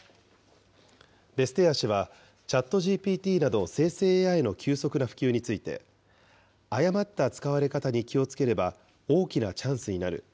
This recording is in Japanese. ベステアー氏はＣｈａｔＧＰＴなど、生成ＡＩの急速な普及について、誤った使われ方に気をつければ、大きなチャンスになる。